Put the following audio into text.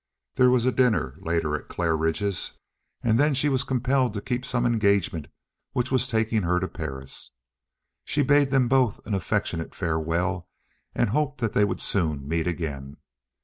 There was a dinner later at Claridge's, and then she was compelled to keep some engagement which was taking her to Paris. She bade them both an affectionate farewell, and hoped that they would soon meet again.